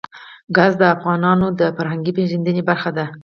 ګاز د افغانانو د فرهنګي پیژندنې برخه ده.